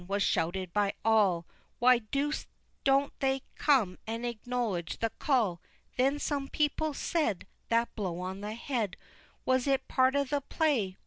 was shouted by all, Why the deuce don't they come and acknowledge the call? Then some people said "That blow on the head Was it part of the play?